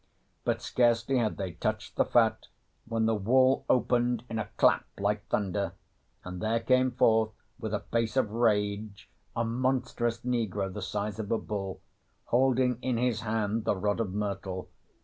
But scarcely had they touched the fat when the wall opened in a clap like thunder, and there came forth with a face of rage a monstrous negro the size of a bull, holding in his hand the rod of myrtle.